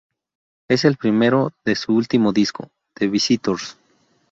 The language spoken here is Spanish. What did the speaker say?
Es el primero de su último disco "The Visitors".